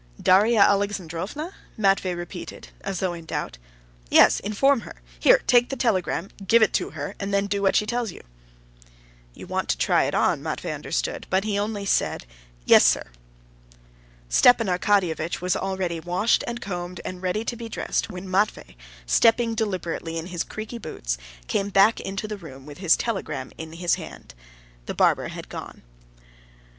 "Darya Alexandrovna?" Matvey repeated, as though in doubt. "Yes, inform her. Here, take the telegram; give it to her, and then do what she tells you." "You want to try it on," Matvey understood, but he only said, "Yes, sir." Stepan Arkadyevitch was already washed and combed and ready to be dressed, when Matvey, stepping deliberately in his creaky boots, came back into the room with the telegram in his hand. The barber had gone.